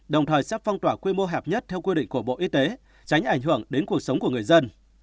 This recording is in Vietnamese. đồng thời sắp phong tỏa quy mô hợp nhất theo quy định của bộ y tế tránh ảnh hưởng đến cuộc sống của người dân